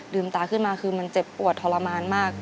ตาขึ้นมาคือมันเจ็บปวดทรมานมาก